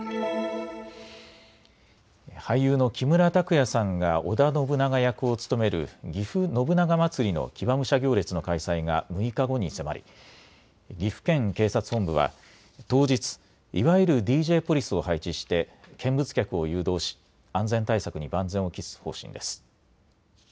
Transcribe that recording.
俳優の木村拓哉さんが織田信長役を務めるぎふ信長まつりの騎馬武者行列の開催が６日後に迫り、岐阜県警察本部は当日いわゆるＤＪポリスを配置して見物客を誘導し安全対策に万全を期す方針です。